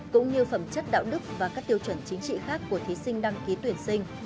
cũng như phẩm chất đạo đức và các tiêu chuẩn chính trị khác của thí sinh đăng ký tuyển sinh